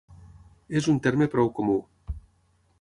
És un terme prou comú.